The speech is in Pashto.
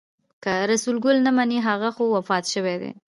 که رسول ګل نه مني هغه خو وفات شوی دی.